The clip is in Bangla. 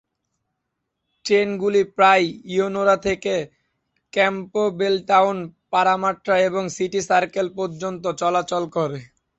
ট্রেনগুলি প্রায়ই ইয়েনোরা থেকে ক্যাম্পবেলটাউন, পারামাট্টা এবং সিটি সার্কেল পর্যন্ত চলাচল করে।